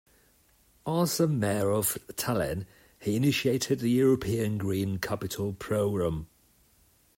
As a Mayor of Tallinn he initiated the European Green Capital programme.